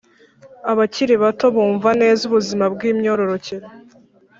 abakiri bato bumva neza ubuzima bw’imyororokere